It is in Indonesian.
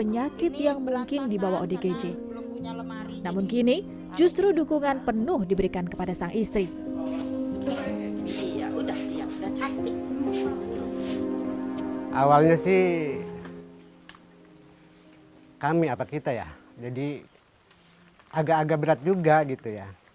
jadi agak agak berat juga gitu ya